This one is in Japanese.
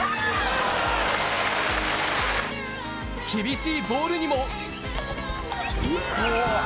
厳しいボールにも。